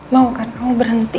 mau kan kamu berhenti